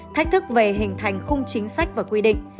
thách thức về hình thành khung chính sách và quy định